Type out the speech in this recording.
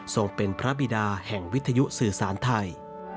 ส่งเป็นพระบิดาแห่งวิทยุสื่อสารไทย